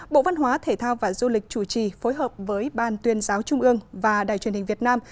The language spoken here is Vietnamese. bộ văn hóa thể thao và du lịch chủ trì phối hợp với ban tuyên giáo trung ương và đài truyền hình việt nam